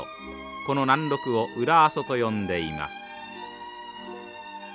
この南麓を裏阿蘇と呼んでいます。